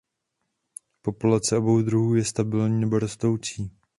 Populace obou druhů je stabilní nebo rostoucí.